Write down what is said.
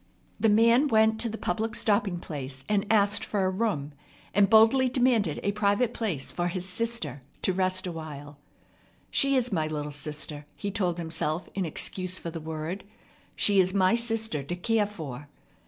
The man went to the public stopping place and asked for a room, and boldly demanded a private place for his "sister" to rest for a while. "She is my little sister," he told himself in excuse for the word. "She is my sister to care for.